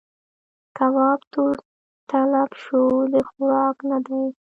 کباب تور تلب شو؛ د خوراک نه دی.